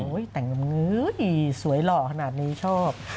อุ๊ยแต่งแบบนี้สวยหล่อขนาดนี้ชอบ